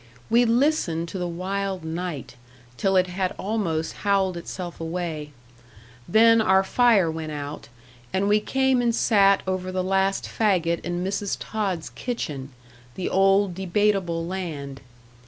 We listened to the wild night, till it had almost howled itself away; then our fire went out, and we came and sat over the last faggot in Mrs. Tod's kitchen the old Debateable Land.